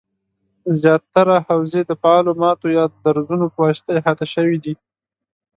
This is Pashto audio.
زیاتره حوزې د فعالو ماتو یا درزونو پواسطه احاطه شوي دي